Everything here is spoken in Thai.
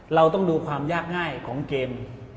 เราต้องดูความยากง่ายของเกม